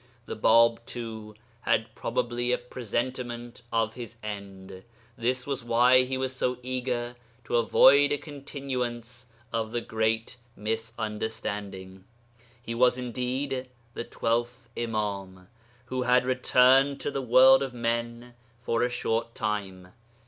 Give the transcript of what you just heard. The Bāb, too, had probably a presentiment of his end; this was why he was so eager to avoid a continuance of the great misunderstanding. He was indeed the Twelfth Imâm, who had returned to the world of men for a short time.